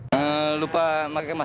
dendanya sebesar dua ratus ribu rupiah